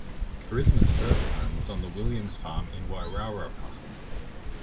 Charisma's first home was on the Williams' farm in Wairarapa.